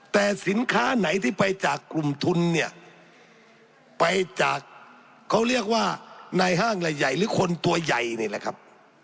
แต่สินค้าไหนที่ไปจากกลุ่มทุนเนี่ยไปจากเขาเรียกว่าในห้างใหญ่หรือคนตัวใหญ่นี่แหละครับ